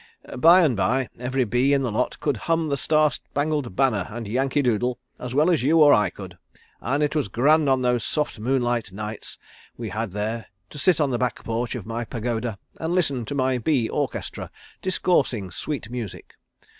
By and by every bee in the lot could hum the Star Spangled Banner and Yankee Doodle as well as you or I could, and it was grand on those soft moonlight nights we had there, to sit on the back porch of my pagoda and listen to my bee orchestra discoursing sweet music.